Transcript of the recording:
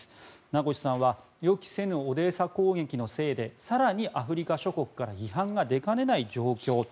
名越さんは予期せぬオデーサ攻撃のせいで更にアフリカ諸国から批判が出かねない状況